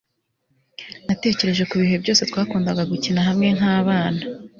natekereje kubihe byose twakundaga gukina hamwe nkabana